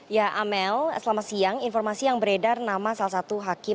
ya amel selama siang informasi yang beredar nama salah satu hakim